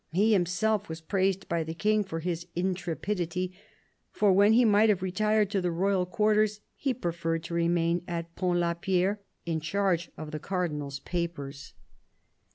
He himself was praised by the King for his intrepidity; for when he might have retired to the royal quarters he preferred to remain at Pont la Pierre in charge of the Cardinal's papers.